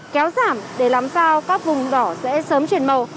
kéo giảm để làm sao các vùng đỏ sẽ sớm chuyển màu